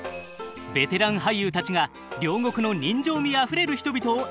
ベテラン俳優たちが両国の人情味あふれる人々を演じました。